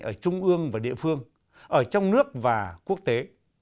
ở trung ương và địa phương ở trong nước và quốc tế